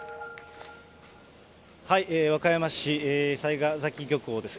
和歌山市雑賀崎漁港です。